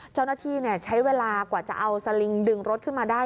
เจ้าหน้าที่ใช้เวลากว่าจะเอาสลิงดึงรถขึ้นมาได้